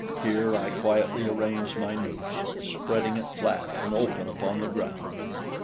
Here I quietly arranged my noose, spreading it flat and open upon the ground.